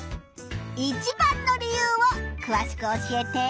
一番の理由をくわしく教えて。